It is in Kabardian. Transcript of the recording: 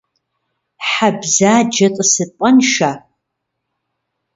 Хьэ бзаджэ тӏысыпӏэншэ.